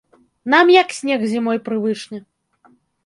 Нам як снег зімой прывычны.